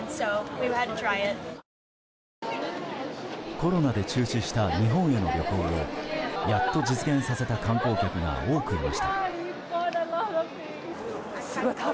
コロナで中止した日本への旅行をやっと実現させた観光客が多くいました。